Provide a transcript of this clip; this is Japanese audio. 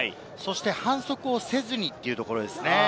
反則をせずにというところですね。